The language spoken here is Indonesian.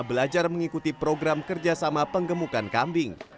belajar mengikuti program kerjasama penggemukan kambing